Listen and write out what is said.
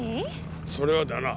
それはだな。